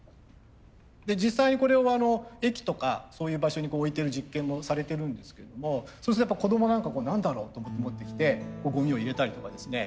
実際にこれを駅とかそういう場所に置いてる実験もされてるんですけどもそうするとやっぱ子供なんか何だろうと思って来てゴミを入れたりとかですね